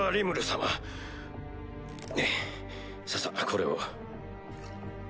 ささこれを。